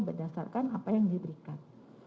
berdasarkan apa yang diberikan